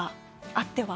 あっては？